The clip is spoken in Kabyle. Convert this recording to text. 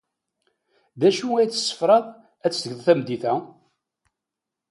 D acu ay tessefraḍ ad t-tgeḍ tameddit-a?